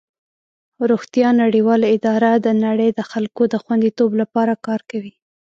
روغتیا نړیواله اداره د نړۍ د خلکو د خوندیتوب لپاره کار کوي.